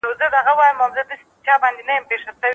که په ټولګي کې نظم نه وي.